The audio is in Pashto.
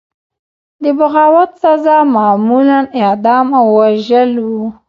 د بغاوت سزا معمولا اعدام او وژل وو.